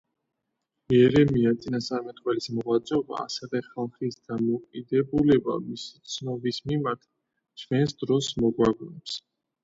იერემია წინასწარმეტყველის მოღვაწეობა, ასევე ხალხის დამოკიდებულება მისი ცნობის მიმართ, ჩვენს დროს მოგვაგონებს.